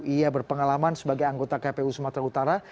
ia berpengalaman sebagai anggota kpu sumatera utara